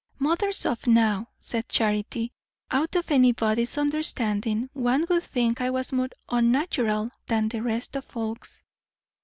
"Mother's off now," said Charity; "out of anybody's understanding. One would think I was more unnatural than the rest of folks!"